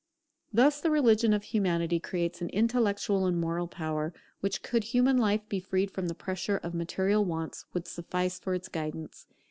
Thus the religion of Humanity creates an intellectual and moral power, which, could human life be freed from the pressure of material wants, would suffice for its guidance.